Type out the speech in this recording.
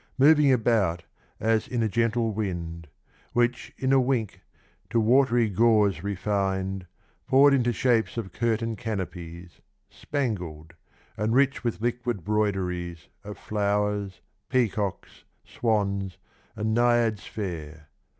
Moving about as in a gentle wind, Which, in a wink, to watery gauze refin'd. Poured into shapes of curtain'd canopies, Spangled, and rich with liquid broideries Of flowers, peacocks, swans, and naiads fair.